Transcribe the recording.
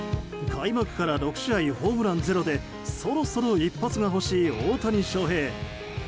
開幕から６試合ホームランゼロでそろそろ一発が欲しい大谷翔平。